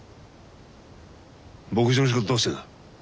牧場の仕事どうしてるんだ？